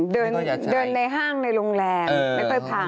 เดินในห้างในโรงแรมไม่ค่อยผ่าน